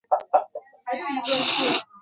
但张栩仍会至日本参加比赛。